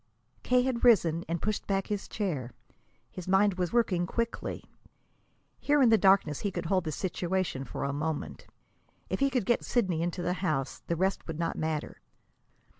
K. had risen and pushed back his chair. His mind was working quickly. Here in the darkness he could hold the situation for a moment. If he could get Sidney into the house, the rest would not matter.